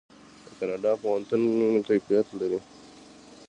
د کاناډا پوهنتونونه کیفیت لري.